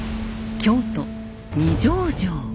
京都・二条城。